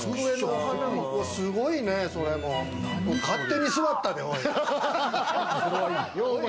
勝手に座ったで、おい！